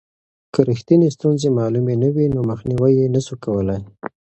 که رښتینې ستونزې معلومې نه وي نو مخنیوی یې نسو کولای.